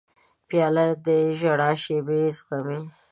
پیاله د ژړا شېبې زغمي.